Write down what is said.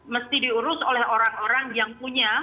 mesti diurus oleh orang orang yang punya